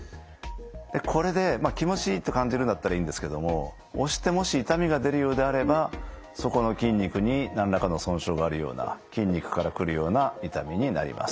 これで気持ちいいと感じるんだったらいいんですけれども押してもし痛みが出るようであればそこの筋肉に何らかの損傷があるような筋肉から来るような痛みになります。